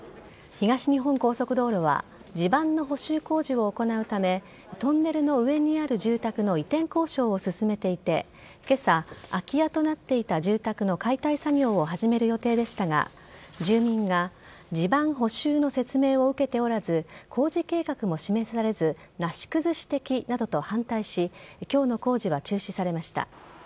東日本高速道路は地盤の補修工事を行うためトンネルの上にある住宅の移転交渉を進めていて今朝、空き家となっていた住宅の解体作業を始める予定でしたが住民が地盤補修の説明を受けておらず工事計画も示されずなし崩し的などと反対し今日の工事は中止されました。